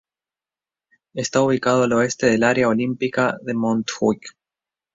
Está ubicado al oeste del "Área Olímpica de Montjuic".